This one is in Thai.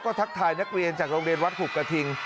ทักทายนักเรียนจากโรงเรียนวัดหุบกระทิง